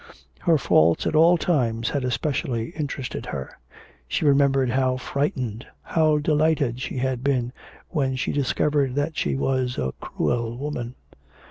Her faults at all times had especially interested her. She remembered how frightened, how delighted she had been, when she discovered that she was a cruel woman.